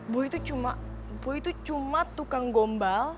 boy itu cuma tukang gombal